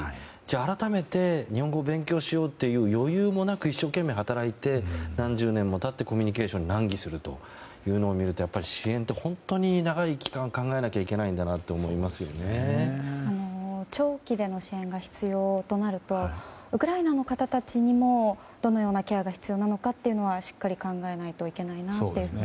改めて日本語を勉強しようという余裕もなく、一生懸命働いて何十年も経ってコミュニケーションに難儀するというのを見るとやっぱり支援って本当に長い期間考えなきゃいけないんだなって長期での支援が必要となるとウクライナの方たちにもどのようなケアが必要なのかはしっかり考えないといけないなと感じました。